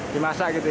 dimasak gitu ya